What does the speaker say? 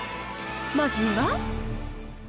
まずは。